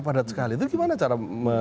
padat sekali itu gimana cara